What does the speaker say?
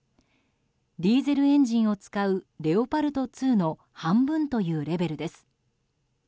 ディーゼルエンジンを使うレオパルト２の半分というレベルです。